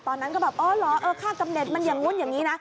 ตอนนั้นก็แบบอ๋อเหรอเออค่ากำเน็ตมันอย่างนู้นอย่างนี้นะ